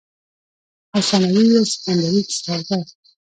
او ثانوي يا سيکنډري سردرد